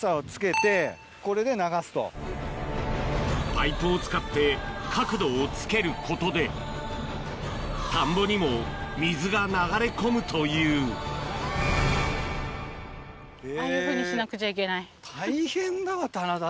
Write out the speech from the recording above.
パイプを使って角度をつけることで田んぼにも水が流れ込むというああいうふうにしなくちゃいけない。